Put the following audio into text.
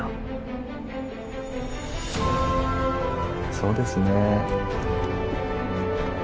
そうですね